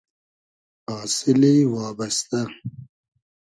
آسیلی وابئستۂ